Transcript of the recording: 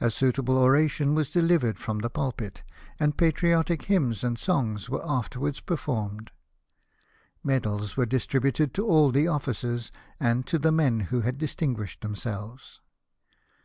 A suitable oration was delivered from the pulpit, and patriotic hymns and songs were afterwards performed. Medals were distributed to all the officers, and to the men who had distinguished them 246 LIFE OF NELSON. selves.